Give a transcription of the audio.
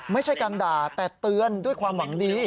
ไม่ใช่การด่าแต่เตือนด้วยความหวังดี